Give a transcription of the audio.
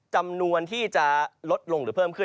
จำนวนที่จะลดลงหรือเพิ่มขึ้น